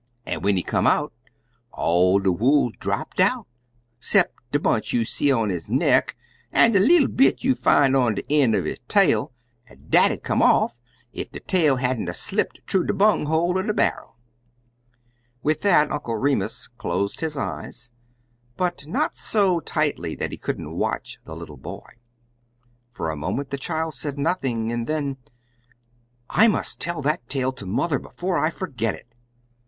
"An when he come out, all de wool drap't out, 'cep' de bunch you see on his neck, an' de leetle bit you'll fin' on de een' er his tail an' dat'd 'a' come off ef de tail hadn't 'a' slipped thoo de bung hole er de barrel." With that, Uncle Remus closed his eyes, but not so tightly that he couldn't watch the little boy. For a moment the child said nothing, and then, "I must tell that tale to mother before I forget it!"